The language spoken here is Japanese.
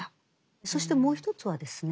そしてもう一つはですね